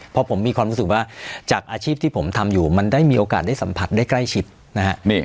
เพราะผมมีความรู้สึกว่าจากอาชีพที่ผมทำอยู่มันได้มีโอกาสได้สัมผัสได้ใกล้ชิดนะฮะ